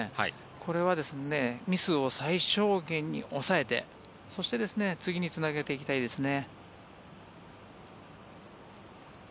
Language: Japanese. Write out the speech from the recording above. これはミスを最小限に抑えて次につなげていきたいですね。